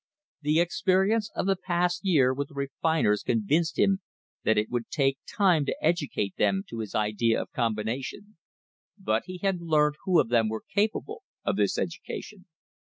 The experience of the past year with the refiners convinced him that it would take time to educate them to his idea of combination; but he had learned who of them were capable of this education.